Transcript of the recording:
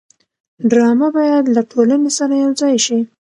ډرامه باید له ټولنې سره یوځای شي